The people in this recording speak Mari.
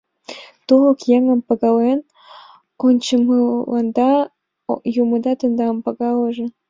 Тулык еҥым пагален ончымыланда юмыда тендам пагалыже.